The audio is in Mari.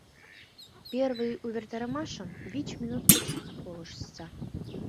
Первый увертарымашым вич минут гыч колыштса.